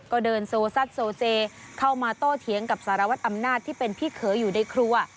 ก็เดินโซซัดโซเซเข้ามาโต้เถียงกับสารวัตรอำนาจที่เป็นพี่เขยอยู่ในครัว